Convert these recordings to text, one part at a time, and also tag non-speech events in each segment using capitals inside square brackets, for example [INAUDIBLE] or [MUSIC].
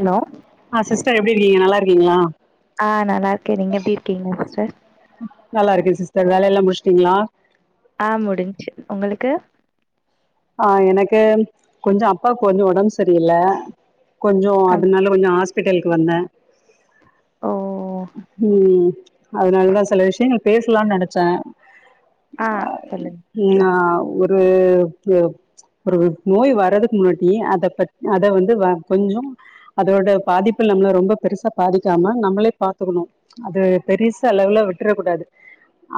hello ஆ sister எப்டி இருக்கீங்க நல்லா இரு இருக்கீங்லா ஆ நல்லா இருக்கேன் நீங்க எப்டி இருக்கீங்க சிஸ்டர் நல்லா இருக்கே சிஸ்டர் வேலய எல்லாம் முடிச்சிட்டீங்களா ஆ முடிஞ்ச்சு உங்களுக்கு ஆ எனக்கு கொஞ்சோம் அப்பாக்கு கொஞ்சோம் ஒடம்பு சரியில்ல கொஞ்சோம் அ அதனால கொஞ்சோம் ஆஸ் ஹாஸ்பிட்டலுக்கு வந்தேன் ஓ ம் அதனாலதான் செல விஷயங்கள் பேசலானு நெனச்சேன் ஆ சொல்லுங்க கேக்லா [INAUDIBLE] [INAUDIBLE] ஒரு நோய் வரறதுக்கு முன்னாட்டி அத ப அத வந்து கொஞ்சோம் அதோட பாதிப்பு நம்மள ரொம்ப பெருசா பாதிக்காம நம்மளே பாத்துக்கணும் அது பெருசா அளவுல விட்ர கூடாது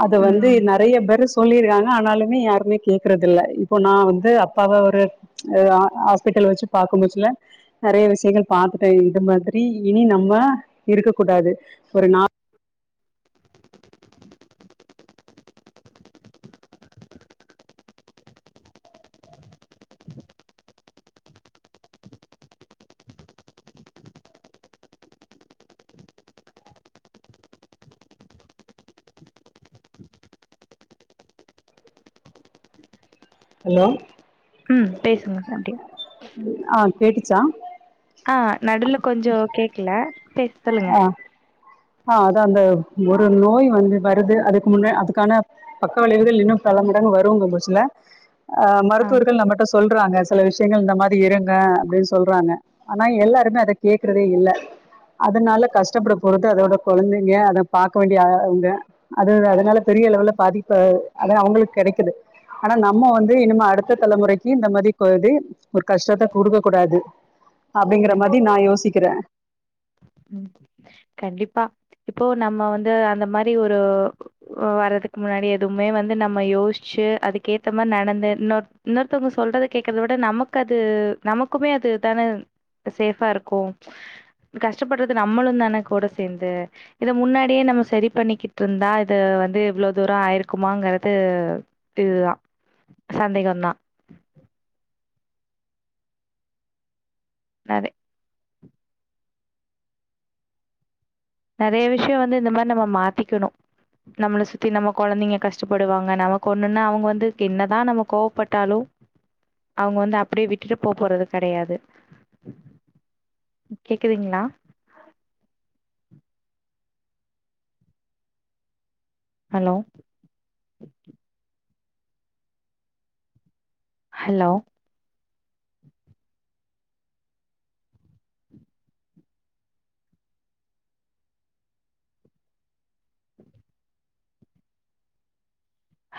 அத வந்து ம் நெறைய பேரு சொல்லியிருக்காங்க ஆனாலுமே யாருமே கேக்குறது இல்ல இப்போ நான் வந்து அப்பாவ ஒருஹ ஹாஸ்பிட்டல வச்சு பாக்கும்போச்சுல்ல நெறைய விஷயங்கள் பாத்துட்டேன் இந்த மாரி இனி நம்ம இருக்க கூடாது ஒரு நா ஹலோ ம் பேசுங்க ஒகே ஆ கேட்டுச்சா ஆ நடுவுல கொஞ்சோம் கேக்கல பேச சொல்லுங்க ஆ ஆ அதான் அந்த ஒரு நோய் வந்து வருது அதுக்கு முன்ன அதுக்கான பக்க விளைவுகள் இன்னும் பல மடங்கு வருங்க போச்சுல அ ஆ மருத்துவர்கள் நம்மட்ட சொல்றாங்க சில விஷயங்கள் இந்த மாரி இருங்க அப்டின்னு சொல்றாங்க ஆனா எல்லாருமே அத கேக்குறதே இல்ல அதனால கஷ்டப்பட போறது அதோட கொழந்தைங்க அத பாக்க வேண்டியவுங்க அது அதனால பெரிய அளவுல பாதிப்பு அத அவங்களுக்கு கெடைக்குது ஆனா நம்ம வந்து இனிம அடுத்த தலைமுறைக்கு இந்த மாதி இது ஒரு கஷ்டத்த கொடுக்க கூடாது அப்டிங்கற மாதி கண்டிப் நான யோசிக்கிறேன் கண்டிப்பா இப்போ நம்ம வந்து அந்த மாரி ஒரு வர்றதுக்கு முன்னாடி எதுவுமே வந்து நம்ம யோசிச்சு அதுக்கேத்த மாரி நடந்து இன்னொ இன்னொருத்தவங்க சொல்றத கேக்குறத விட நமக்கு அது நமக்குமே அதுதானே சேஃபா இருக்கும் அ கஷ்டப்படுறது நம்மளும் தானே கூட சேந்து இத முன்னாடியே நம்ம சரி பண்ணிக்கிட்டுருந்தா இத வந்து இவ்ளோ தூரம் ஆயிருக்குமாங்குறது இதுதான் சந்தேகம்தான் கரெக்ட் நெறைய விஷயம் வந்து இந்த மாரி நம்ம மாத்திக்கணும் நம்மள சுத்தி நம்ம கொழந்தைங்க கஷ்டப்படுவாங்க நம்மக்கு ஒண்ணுன்னா அவுங்க வந்து என்னதான் நம்ம கோவப்பட்டாலும் அவங்க வந்து அப்டியே விட்டுட்டு போ போறது கெடையாது கேக்குதுங்களா ஹலோ ஹலோ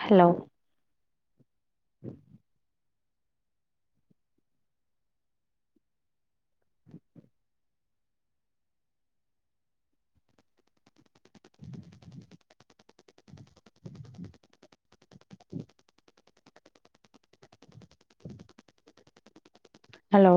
ஹலோ உ [INAUDIBLE] [INAUDIBLE] [INAUDIBLE] ஹலோ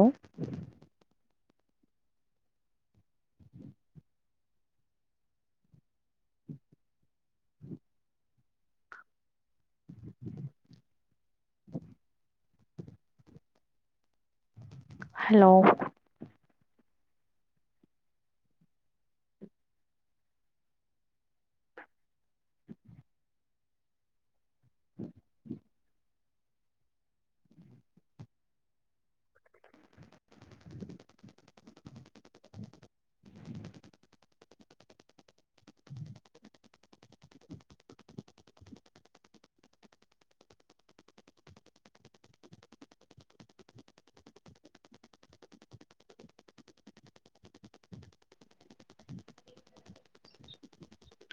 ஹலோ [INAUDIBLE] [INAUDIBLE]